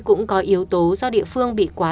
cũng có yếu tố do địa phương bị quá